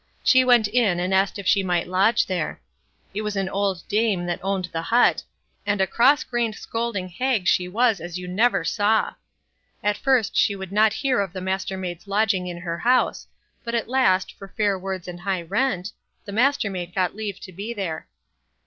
She went in and asked if she might lodge there. It was an old dame that owned the hut, and a cross grained scolding hag she was as ever you saw. At first she would not hear of the Mastermaid's lodging in her house, but at last, for fair words and high rent, the Mastermaid got leave to be there.